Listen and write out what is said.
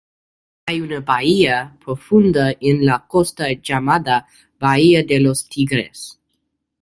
Hay una bahía profunda en la costa llamada Bahía de los Tigres.